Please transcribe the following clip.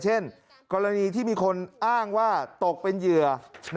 เช่นกรณีที่มีคนอ้างว่าตกเป็นเหยื่อ